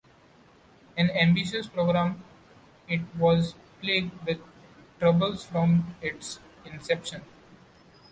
An ambitious program, it was plagued with troubles from its inception.